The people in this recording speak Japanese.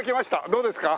どうですか？